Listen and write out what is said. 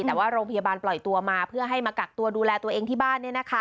แต่ว่าโรงพยาบาลปล่อยตัวมาเพื่อให้มากักตัวดูแลตัวเองที่บ้าน